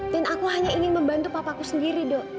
dan aku hanya ingin membantu papaku sendiri do